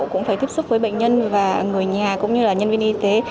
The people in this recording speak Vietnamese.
cũng phải tiếp xúc với bệnh nhân và người nhà cũng như là nhân viên y tế